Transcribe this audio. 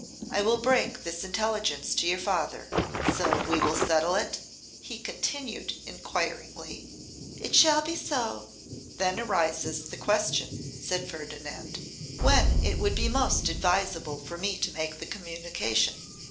I will break this intelligence to your father. So we will settle it?' he continued enquiringly. 'It shall be so.' 'Then arises the question,' said Ferdinand, 'when it would be most advisable for me to make the communication.